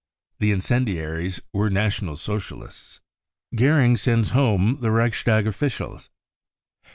The incendiaries were National Socialists. Goering sends home the Reichstag officials.